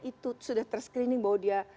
itu sudah terscreening bahwa dia